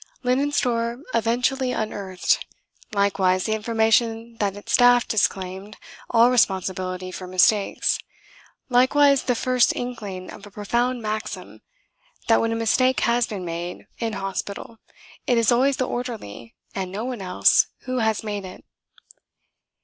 Linen store eventually unearthed likewise the information that its staff disclaimed all responsibility for mistakes likewise the first inkling of a profound maxim, that when a mistake has been made, in hospital, it is always the orderly, and no one else, who has made it.